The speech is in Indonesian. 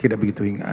tidak begitu ingat